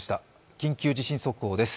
緊急地震速報です。